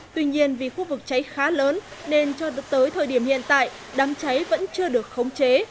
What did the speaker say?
tuy nhiên vì khu vực cháy khá lớn nên cho tới thời điểm hiện tại đám cháy vẫn chưa được khống chế